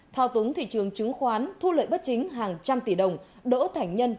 thao túng thị trường chứng khoán thu lợi bất chính hàng trăm tỷ đồng đỗ thành nhân